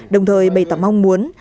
đồng thời bày tỏ mong muốn